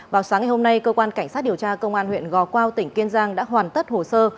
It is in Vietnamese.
vào sáng ngày hôm nay cơ quan cảnh sát điều tra công an huyện gò quao tỉnh kiên giang đã hoàn tất hồ sơ